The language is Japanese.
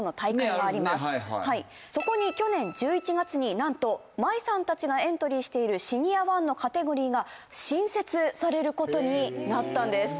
はいはいそこに去年１１月に何と舞さん達がエントリーしているシニアⅠのカテゴリーが新設されることになったんです